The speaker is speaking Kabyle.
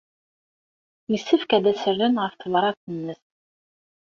Yessefk ad as-rren ɣef tebṛat-nnes.